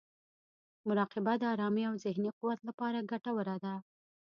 مراقبه د ارامۍ او ذهني قوت لپاره ګټوره ده.